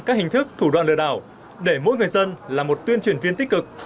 các hình thức thủ đoạn lừa đảo để mỗi người dân là một tuyên truyền viên tích cực